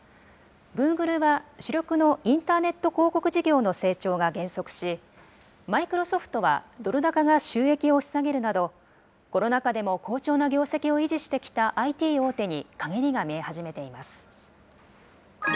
グーグルは主力のインターネット広告事業の成長が減速し、マイクロソフトはドル高が収益を押し下げるなど、コロナ禍でも好調な業績を維持してきたＩＴ大手にかげりが見え始めています。